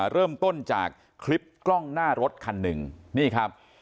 เริ่มต้นจากคลิปกล้องหน้ารถคันหนึ่งนี่ครับ